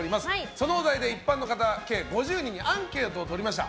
そのお題で一般の方計５０人にアンケートをとりました。